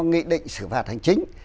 nghị định xử phạt hành chính